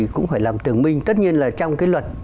cũng phải làm tường minh tất nhiên là trong cái luật